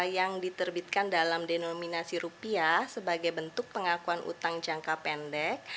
yang diterbitkan dalam denominasi rupiah sebagai bentuk pengakuan utang jangka pendek